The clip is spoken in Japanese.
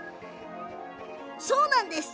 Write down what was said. そうなんです。